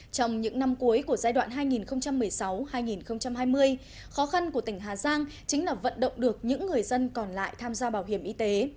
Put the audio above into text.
trong những năm cuối của giai đoạn hai nghìn một mươi sáu hai nghìn hai mươi khó khăn của tỉnh hà giang chính là vận động được những người dân còn lại tham gia bảo hiểm y tế